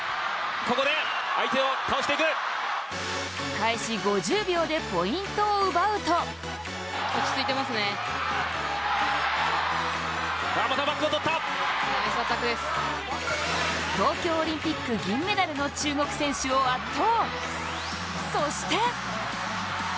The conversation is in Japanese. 開始５０秒でポイントを奪うと東京オリンピック銀メダルの中国選手を圧倒。